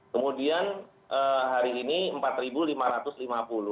kemudian hari ini rp empat lima ratus lima puluh